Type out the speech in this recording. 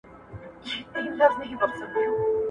په خپلو پریکړو کي به قاطع پاته کیږئ.